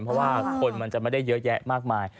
เพราะว่าคนมันจะไม่ได้เยอะแยะมากมาย